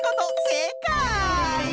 せいかい！